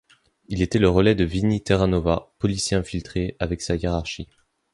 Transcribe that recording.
Il était le relais de Vinnie Terranova, policier infiltré, avec sa hiérarchie.